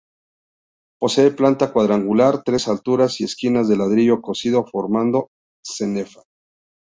Posee planta cuadrangular, tres alturas y esquinas de ladrillo cocido formando cenefa.